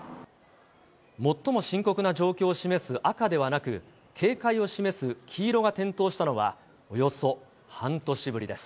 最も深刻な状況を示す赤ではなく、警戒を示す黄色が点灯したのは、およそ半年ぶりです。